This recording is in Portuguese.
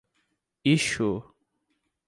Ichu